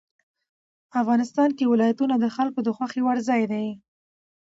افغانستان کې ولایتونه د خلکو خوښې وړ ځای دی.